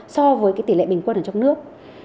so với tỉ lệ bình quân ở trong nước